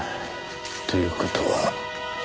という事は。